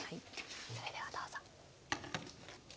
それではどうぞ。